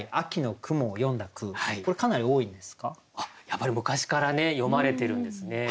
やっぱり昔からね詠まれてるんですね。